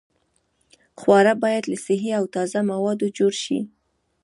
خواړه باید له صحي او تازه موادو جوړ شي.